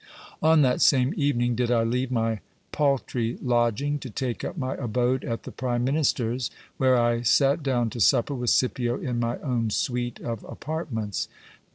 On that same evening did I leave my paltry lodging to take up my abode at the prime minister's, where I sat down to supper with Scipio in my own suite of apartments.